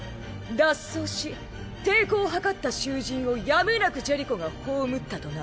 脱走し抵抗を図った囚人をやむなくジェリコが葬ったとな。